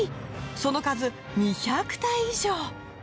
その数２００体以上。